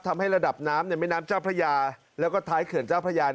ทำให้ระดับน้ำในแม่น้ำเจ้าพระยาแล้วก็ท้ายเขื่อนเจ้าพระยา